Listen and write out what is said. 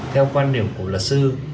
theo quan điểm của luật sư